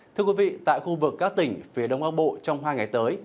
thưa quý vị tại khu vực các tỉnh phía đông bắc bộ trong hai ngày tới